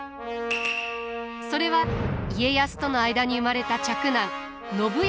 それは家康との間に生まれた嫡男信康を後見すること。